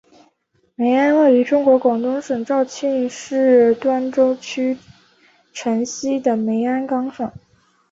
梅庵位于中国广东省肇庆市端州区城西的梅庵岗上。